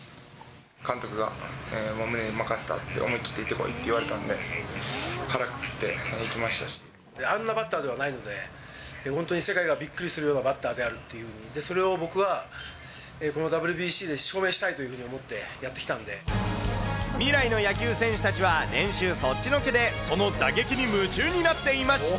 監督が、もうムネに任せたと、思い切って行ってこいって言われたんで、あんなバッターではないので、本当に世界がびっくりするようなバッターであるっていうので、それを僕はこのＷＢＣで証明したいというふうに思ってやってきた未来の野球選手たちは、練習そっちのけでその打撃に夢中になっていました。